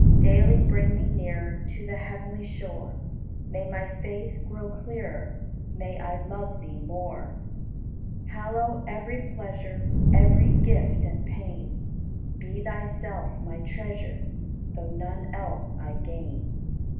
Daily bring me nearer To the heavenly shore; May my faith grow clearer. May I love Thee more! Hallow every pleasure, Every gift and pain; Be Thyself my Treasure. Though none else I gain.